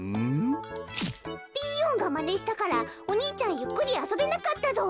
ピーヨンがまねしたからお兄ちゃんゆっくりあそべなかったぞ。